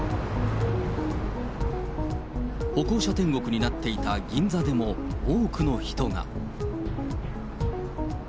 歩行者天国になっていた銀座でも、多くの人が。